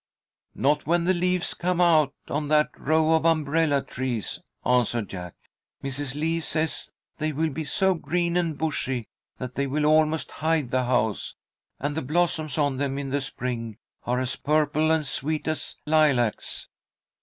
"Not when the leaves come out on that row of umbrella trees," answered Jack. "Mrs. Lee says they will be so green and bushy that they will almost hide the house, and the blossoms on them in the spring are as purple and sweet as lilacs.